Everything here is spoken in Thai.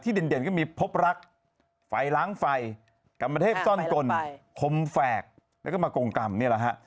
เด่นก็มีพบรักไฟล้างไฟกรรมเทพซ่อนกลคมแฝกแล้วก็มากงกรรมนี่แหละฮะ